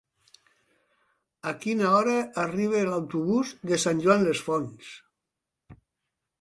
A quina hora arriba l'autobús de Sant Joan les Fonts?